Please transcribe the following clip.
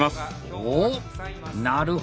おおなるほど。